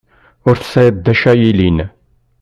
Ur tesεiḍ d acu yellin.